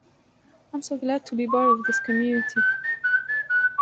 I'm so glad to be part of this community.